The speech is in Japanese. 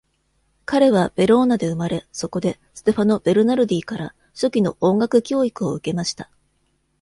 彼はヴェローナで生まれ、そこでステファノ・ベルナルディから初期の音楽教育を受けました。